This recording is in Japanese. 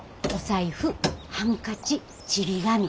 お財布ハンカチちり紙。